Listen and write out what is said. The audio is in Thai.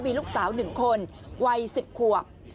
มีลูกสาว๑คนวัย๑๐ขวบ